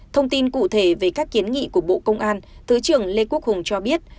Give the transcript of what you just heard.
thông tin cụ thể về các kiến nghị của bộ công an thứ trưởng lê quốc hùng cho biết